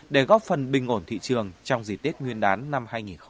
để góp phần bình ổn thị trường trong dịp tết nguyên đán năm hai nghìn một mươi sáu